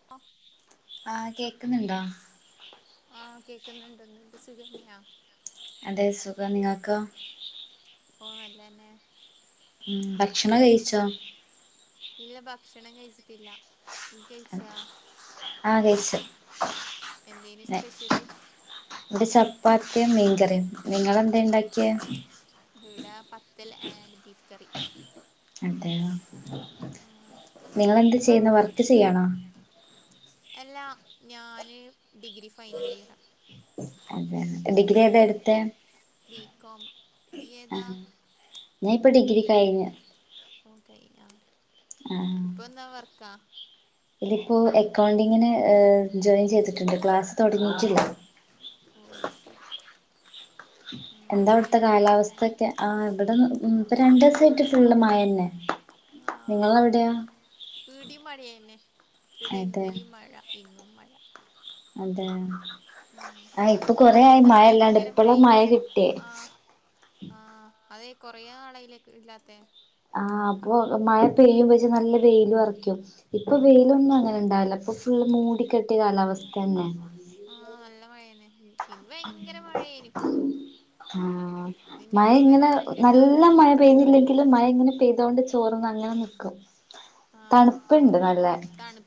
[unintelligible] ആഹ് കേക്കുന്നുണ്ടോ? ആഹ് കേൾക്കുന്നുണ്ട്. നിങ്ങക്ക് സുഖം തന്നെയാ? അതെ സുഖം. നിങ്ങക്കോ? ഓ നല്ലതന്നെ. ഉം ഭക്ഷണ ഇല്ല ഭക്ഷണം കഴിച്ചിട്ടില്ല. ആഹ് കഴിച്ചു ഴിച്ചാഎന്തേനു സ്പഷ്യല് ഇവിടെ ചപ്പാത്തിയും മീൻകറിയും നിങ്ങളെന്താ ഉണ്ടാക്കിയേ ഇവിടെ പത്തൽ ആൻ് ബീഫ് കറി. ആഹ് നിങ്ങള് എന്ത് ചെയ്യുന്നത്. അവി വർക്ക് ചെയ്യണോ അല്ലാ ഞാന് ഡിഗ്രി ഫൈനൽ ഇയർ. അതെ ഡിഗ്രി ഏതാ എടുത്തേ ബികോം. ഇയ്യ് ആ ഏതാ ഞാൻ ഇപ്പൊ ഡിഗ്രി കഴിഞ്ഞു. ആഹ് ഇപ്പൊ എന്താ വർക്കാ ഇതിപ്പോ അക്കൗണ്ടിങ്ങിന്ജോയിൻ ചെയ്തിട്ടുണ്ട്. ക്ലാസ്സ് തുടങ്ങിയിട്ടില്ല. ഓ അത്ശരി. എന്താ അവിടുത്തെ മഴയുണ്ടാ കാലാവസ്ഥ ഒക്കെ? ആ ഇവിടെന്ന് ഇപ്പ രണ്ടു ദിവസം ആയിട്ട് ഫുള്ള് മഴ തന്നെ. ആഹ് നിങ്ങളവിടെയോ ഇടിയയും മഴ തന്നെ. ഇവിടെ അതെ ഇന്നലെയുംമഴ ഇന്നും മഴ അതെ ഉം ആഹ് ഇപ്പൊ ഇ കൊറേ ആയി ഇന്ന് മഴ ഇല്ലാണ്ട് ഭയങ്കര ഇപ്പളാ മഴയേനു മഴ കിട്ടിയേ ആഹ്. ആ അതെ കുറേ ആളയില്ലേ ഇല്ലാത്തെ ആഹ് അപ്പൊ മഴ പെയ്യുമ്പോ ഇജ് നല്ല വെയിൽ ഉറക്കും. ഇപ്പൊ ഉം വെയിലൊന്നും അങ്ങനെ ഉണ്ടാവില്ല. ഇപ്പൊ ഫുള്ള് മൂടിക്കെട്ടിയ കാലാവസ്ഥ തന്നെ. ആഹ് നല്ല മഴ തന്നെ ഇന്ന് ഭയങ്കര മഴയേനു. ആ മഴ വരെ ഇങ്ങനെ നനഞ്ഞിട്ടാ വന്നെ നല്ല മഴ പെയ്യുന്നില്ലെങ്കിലും മഴ ഇങ്ങനെ പെയ്തോണ്ട് ചോറന്ന് അങ്ങനെ നിക്കും ആഹ് തണുപ്പുണ്ട് നല്ല. തണു